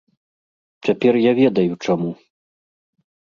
Цяпер я ведаю, чаму.